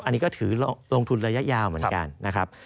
อันนี้ก็ถือลงทุนระยะยาวเหมือนกันนะครับ